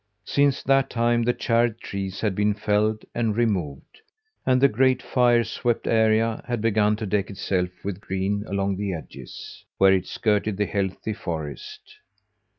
Since that time the charred trees had been felled and removed, and the great fire swept area had begun to deck itself with green along the edges, where it skirted the healthy forest.